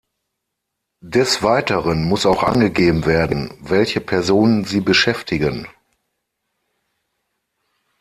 Des Weiteren muss auch angegeben werden, welche Personen sie beschäftigen.